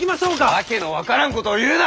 訳の分からんことを言うな！